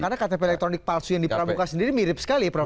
karena ktp elektronik palsu yang di pramuka sendiri mirip sekali ya prof